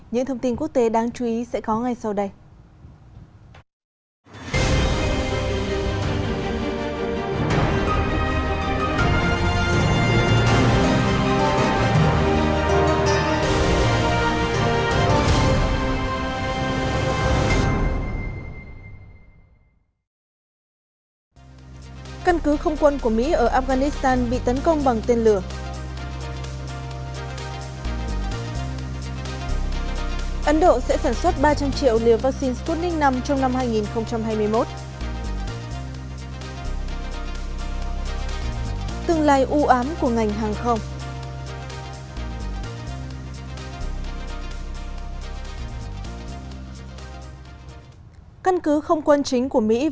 những thông tin quốc tế đáng chú ý sẽ có ngay sau đây